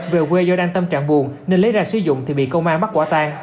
về quê do đang tâm trạng buồn nên lấy ra sử dụng thì bị công an bắt quả tang